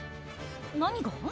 何が？